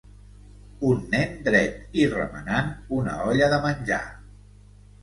Un nen dret i remenant una olla de menjar.